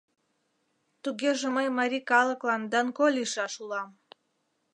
Тугеже мый марий калыклан Данко лийшаш улам...»